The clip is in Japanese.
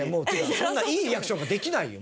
そんないいリアクションできないよ。